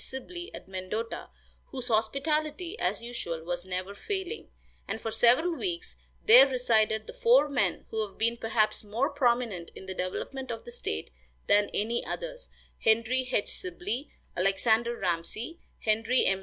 Sibley, at Mendota, whose hospitality, as usual, was never failing, and for several weeks there resided the four men who have been perhaps more prominent in the development of the state than any others, Henry H. Sibley, Alexander Ramsey, Henry M.